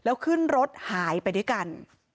แต่เธอก็ไม่ละความพยายาม